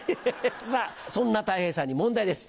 さぁそんなたい平さんに問題です。